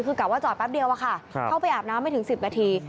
คือกลับว่าจอดแป๊บเดียวอะค่ะเข้าไปอาบน้ำไม่ถึง๑๐นาที